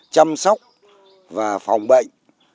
chăm sóc và phòng bệnh